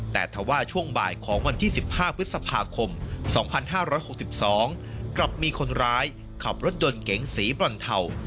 แต่ถ้าว่าช่วงบ่ายของวันที่สิบห้าพฤษภาคมสองพันห้าร้อยหกสิบสองกลับมีคนร้ายขับรถยนต์เก๋งสีปล่อนเทา